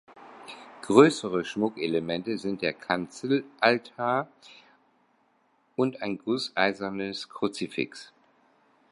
Größere Schmuckelemente sind der Kanzelaltar und ein gusseisernes Kruzifix.